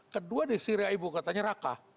kedua di syria ibu kotanya raqqa